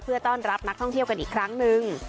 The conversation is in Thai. เพื่อต้อนรับนักท่องเที่ยวกันอีกครั้งนึง